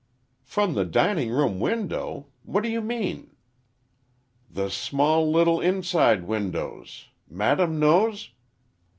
"From the dining room window! What do you mean?" "The small little inside windows. Madam knows?"